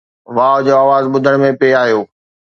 واءُ جو آواز ٻڌڻ ۾ پئي آيو